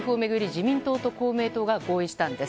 自民党と公明党が合意したんです。